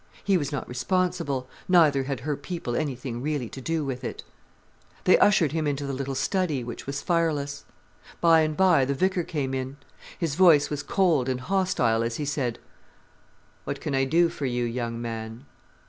He was not responsible, neither had her people anything really to do with it. They ushered him into the little study, which was fireless. By and by the vicar came in. His voice was cold and hostile as he said: "What can I do for you, young man?"